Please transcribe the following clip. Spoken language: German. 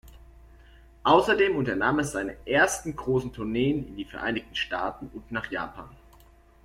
Außerdem unternahm es seine ersten großen Tourneen in die Vereinigten Staaten und nach Japan.